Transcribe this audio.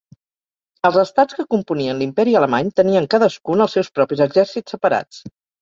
Els Estats que componien l'Imperi alemany tenien cadascun els seus propis exèrcits separats.